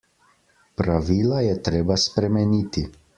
Pravila je treba spremeniti.